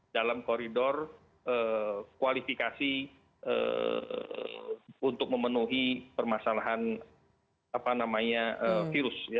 jangan dijamin dalam koridor kualifikasi untuk memenuhi permasalahan virus